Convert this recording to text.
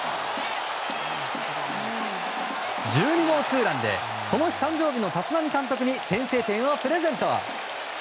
１２号ツーランでこの日、誕生日の立浪監督に先制点をプレゼント！